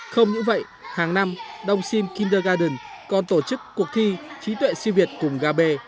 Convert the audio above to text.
không những vậy hàng năm đông sinh kindergarten còn tổ chức cuộc thi trí tuệ siêu việt cùng kb